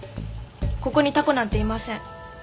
ここにタコなんていません。